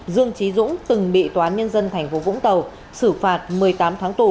dương trí dũng từng bị toán nhân dân thành phố vũng tàu xử phạt một mươi tám tháng tù